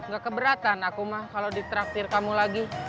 gak keberatan aku mah kalau ditraktir kamu lagi